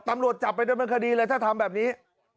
ตำรวจจับไปดำเนินคดีเลยถ้าทำแบบนี้